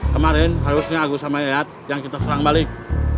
kemarin harusnya agus sama yayat yang kita serang balik